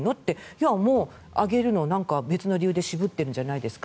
いや、もう、上げるの別の理由で渋っているんじゃないですか